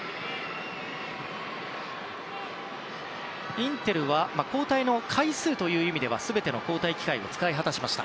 インテルは交代の回数という意味では全ての交代機会を使い果たしました。